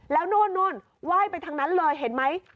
แล้วนู่นไหว้ไปทางนั้นเลยเห็นไหม